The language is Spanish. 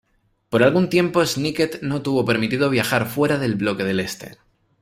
Por algún tiempo Schnittke no tuvo permitido viajar fuera del bloque del este.